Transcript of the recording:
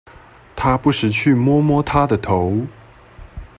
他不時去摸摸她的頭